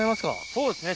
そうですね。